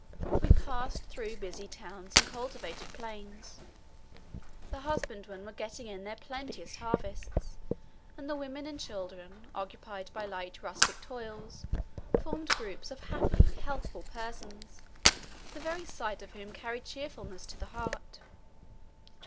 We passed through busy towns and cultivated plains. The husbandmen were getting in their plenteous harvests, and the women and children, occupied by light rustic toils, formed groupes of happy, healthful persons, the very sight of whom carried cheerfulness to the heart.